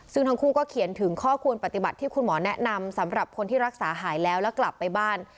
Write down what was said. ซึ่งทั้งคู่ก็เขียนถึงข้อควรปฏิบัติที่คุณหมอแนะนำสำหรับคนที่รักษาหายแล้วแล้วกลับไปบ้าน